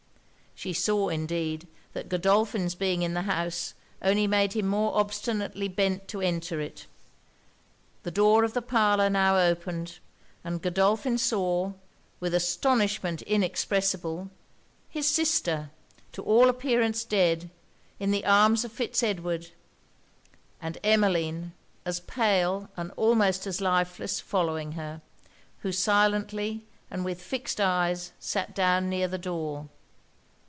She saw, indeed, that Godolphin's being in the house only made him more obstinately bent to enter it. The door of the parlour now opened; and Godolphin saw, with astonishment inexpressible, his sister, to all appearance dead, in the arms of Fitz Edward; and Emmeline, as pale and almost as lifeless, following her; who silently, and with fixed eyes, sat down near the door.